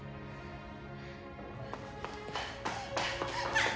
あっ！